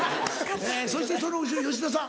そしてその後ろ吉田さん。